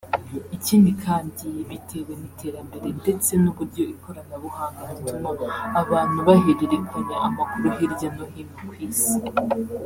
Ikindi kandi bitewe n’iterambere ndetse n’uburyo ikoranabuhanga rituma abantu bahererekanya amakuru hirya no hino ku Isi